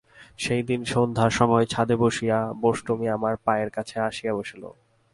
সেইদিন সন্ধ্যার সময় ছাদে বসিয়াছি, বোষ্টমী আমার পায়ের কাছে আসিয়া বসিল।